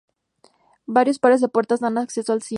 Varios pares de puertas dan acceso al cine.